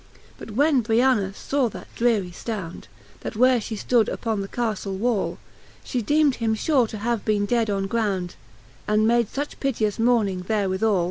But when Brian a faw that drery. flound, There where fhe flood uppon the Caftle wall, She deem'd him fure to have been dead on ground, And made fuch piteous mourning therewithal!.